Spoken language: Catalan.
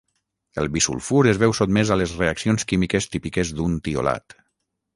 El bisulfur es veu sotmès a les reaccions químiques típiques d'un tiolat.